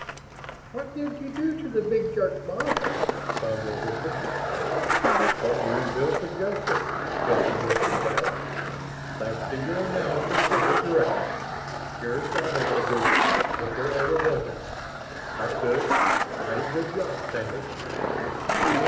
"What did you do to the big jerk, boss?" Sandra whispered. "What you and Bill suggested," Hilton whispered back. "Thanks to your analysis of the directive pure gobbledygook if there ever was any I could. Mighty good job, Sandy."